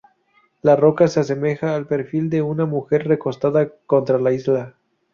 La roca se asemeja al perfil de una mujer recostada contra la isla.